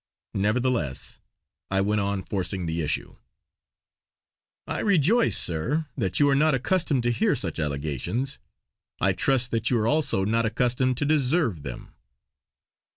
Nevertheless, I went on forcing the issue: "I rejoice, sir, that you are not accustomed to hear such allegations; I trust that you are also not accustomed to deserve them!"